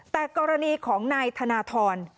แต่กรณีของนายธนทร